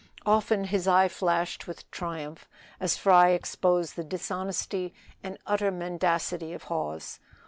Often his eye flashed with triumph, as Fry exposed the dishonesty and utter mendacity of Hawes.